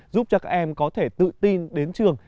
giúp cho các em có thể tự tin đến trường